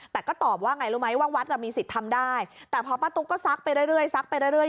แต่ก็ตอบว่าไงรู้ไหมว่าวัดมีสิทธิ์ทำได้แต่พอป้าตุ๊กก็ซักไปเรื่อยซักไปเรื่อย